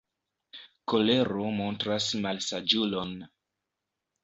Kolero montras malsaĝulon.